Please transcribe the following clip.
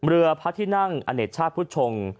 เรือพระที่นั่งอเนกชาติพุทธชง